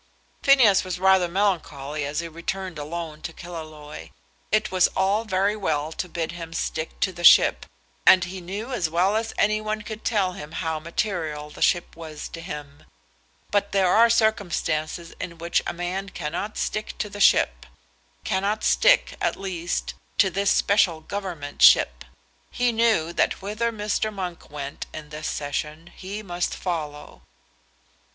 Phineas was rather melancholy as he returned alone to Killaloe. It was all very well to bid him stick to the ship, and he knew as well as any one could tell him how material the ship was to him; but there are circumstances in which a man cannot stick to his ship, cannot stick, at least, to this special Government ship. He knew that whither Mr. Monk went, in this session, he must follow.